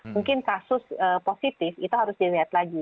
mungkin kasus positif itu harus dilihat lagi